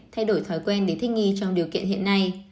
thay đổi thói quen để thích nghi trong điều kiện hiện nay